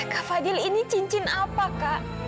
kak fadil ini cincin apa kak